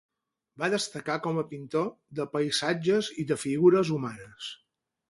Va destacar com a pintor de paisatges i de figures humanes.